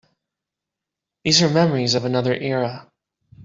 These are memories of another era.